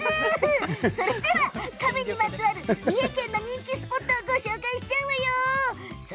亀にまつわる三重県の人気スポットをご紹介しちゃうわよ。